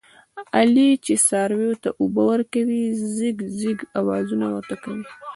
علي چې څارویو ته اوبه ورکوي، ځیږ ځیږ اواز ورته کوي.